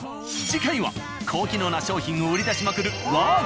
次回は高機能な商品を売り出しまくる